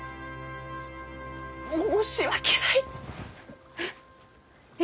申し訳ない！え？